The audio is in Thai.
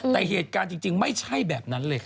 แต่เหตุการณ์จริงไม่ใช่แบบนั้นเลยค่ะ